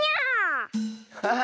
ハハハ！